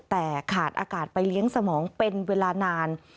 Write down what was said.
แต่ขาดอากาศไปเลี้ยงสมองเป็นเวลานาน